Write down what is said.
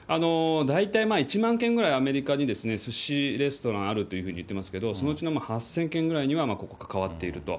大体１万軒ぐらい、アメリカにスシレストランあるというふうにいってますけど、そのうちの８０００軒ぐらいには関わっていると。